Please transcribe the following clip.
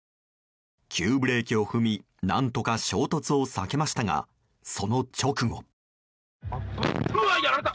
急ブレーキを踏み何とか衝突を避けましたがその直後。